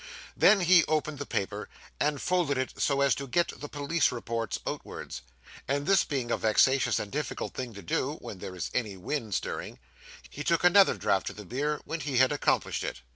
Then he opened the paper, and folded it so as to get the police reports outwards; and this being a vexatious and difficult thing to do, when there is any wind stirring, he took another draught of the beer when he had accomplished it.